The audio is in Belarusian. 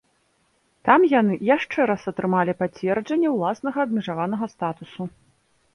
Там яны яшчэ раз атрымалі пацверджанне ўласнага абмежаванага статусу.